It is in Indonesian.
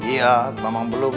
iya memang belum